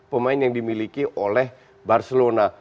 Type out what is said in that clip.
pemain yang dimiliki oleh barcelona